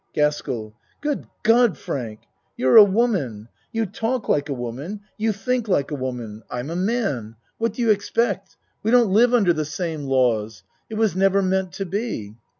GASKELL Good God, Frank! You're a woman. You talk like a woman you think like a woman. ii2 A MAN'S WORLD I'm a man. What do you expect? We don't live under the same laws. It was never meant to be.